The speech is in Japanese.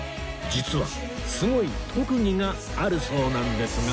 実はすごい特技があるそうなんですが